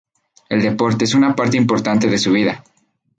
El deporte es una parte importante de su vida.